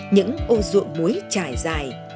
những ô ruộng muối trải dài